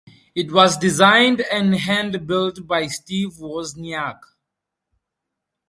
It was designed and hand-built by Steve Wozniak.